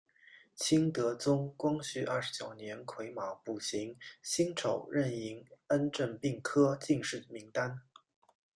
清德宗光绪二十九年癸卯补行辛丑壬寅恩正并科进士名单。